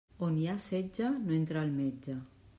On hi ha setge no entra el metge.